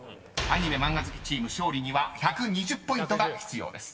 ［アニメ漫画好きチーム勝利には１２０ポイントが必要です］